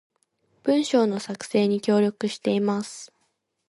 文章の作成に協力しています